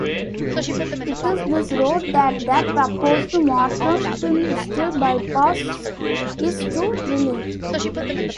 It is this road that the proposed Mottram-Tintwistle Bypass is to relieve.